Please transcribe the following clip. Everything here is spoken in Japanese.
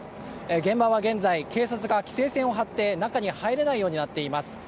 現場は現在警察が規制線を張って中に入れないようになっています。